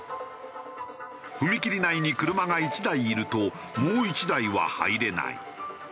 踏切内に車が１台いるともう１台は入れない。